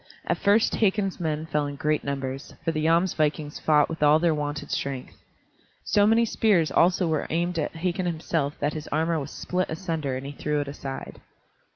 At first Hakon's men fell in great numbers, for the Jomsvikings fought with all their wonted strength. So many spears also were aimed at Hakon himself that his armor was split asunder and he threw it aside.